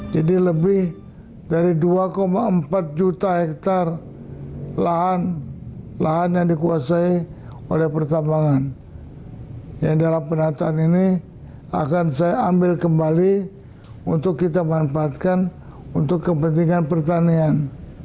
jadi lebih dari dua empat juta hektare lahan lahan yang dikuasai oleh pertanian yang dalam penataan ini akan saya ambil kembali untuk kita manfaatkan untuk kepentingan pertanian